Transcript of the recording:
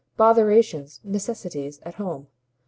Botherations, necessities at home.